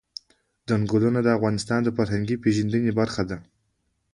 ځنګلونه د افغانانو د فرهنګي پیژندنې برخه ده.